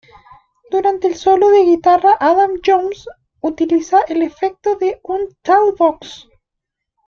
Durante el solo de guitarra, Adam Jones utiliza el efecto de un talk box.